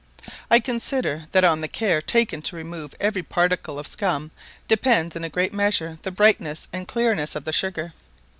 I consider that on the care taken to remove every particle of scum depends, in a great measure, the brightness and clearness of the sugar.